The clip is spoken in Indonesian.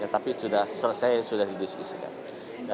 tapi sudah selesai sudah didiskusikan